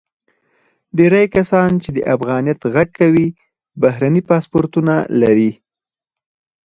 ډیری کسان چې د افغانیت غږ کوي، بهرني پاسپورتونه لري.